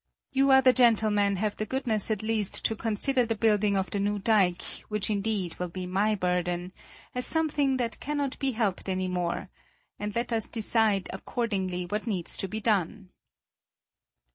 You other gentlemen, have the goodness at least to consider the building of the new dike, which indeed will be my burden, as something that cannot be helped any more, and let us decide accordingly what needs to be done."